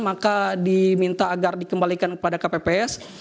maka diminta agar dikembalikan kepada kpps